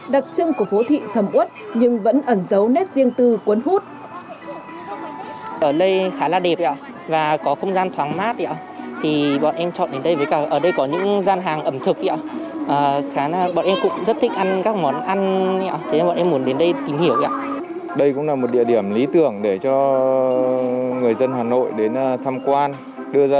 đặc trưng của phố thị sầm út nhưng vẫn ẩn dấu nét riêng tư cuốn hút